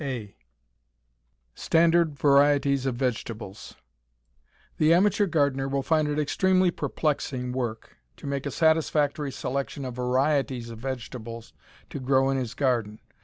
VII STANDARD VARIETIES OF VEGETABLES The amateur gardener will find it extremely perplexing work to make a satisfactory selection of varieties of vegetables to grow in his garden.